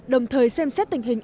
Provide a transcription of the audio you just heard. đồng thời xem xét tình hình